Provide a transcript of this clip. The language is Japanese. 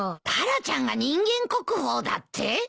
タラちゃんが人間国宝だって？